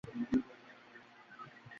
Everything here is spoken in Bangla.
এই পর্দাটি হইল মানুষের মন।